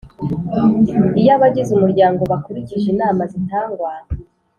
Iyo abagize umuryango bakurikije inama zitangwa